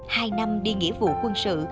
hai năm đi nghĩa vụ quân sự